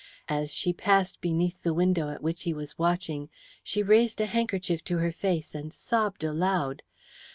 As she passed underneath the window at which he was watching, she raised a handkerchief to her face and sobbed aloud.